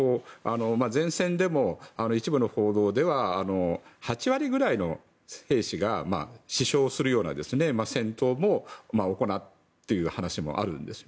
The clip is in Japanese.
前線でも一部の報道では８割くらいの兵士が死傷するような戦闘も行うという話もあるんです。